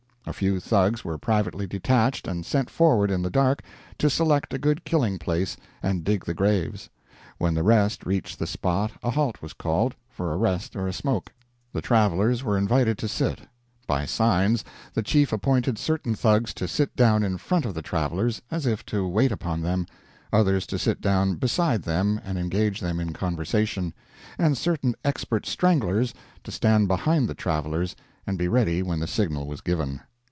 A few Thugs were privately detached and sent forward in the dark to select a good killing place and dig the graves. When the rest reached the spot a halt was called, for a rest or a smoke. The travelers were invited to sit. By signs, the chief appointed certain Thugs to sit down in front of the travelers as if to wait upon them, others to sit down beside them and engage them in conversation, and certain expert stranglers to stand behind the travelers and be ready when the signal was given.